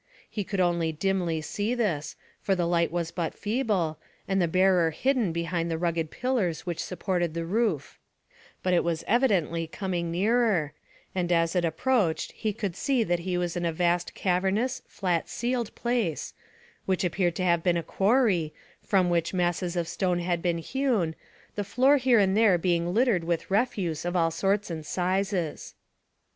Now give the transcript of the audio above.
He could only dimly see this, for the light was but feeble, and the bearer hidden behind the rugged pillars which supported the roof; but it was evidently coming nearer, and as it approached he could see that he was in a vast cavernous, flat ceiled place, which appeared to have been a quarry, from which masses of stone had been hewn, the floor here and there being littered with refuse of all sorts and sizes.